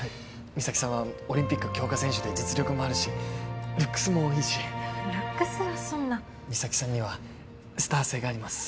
三咲さんはオリンピック強化選手で実力もあるしルックスもいいしルックスはそんな三咲さんにはスター性があります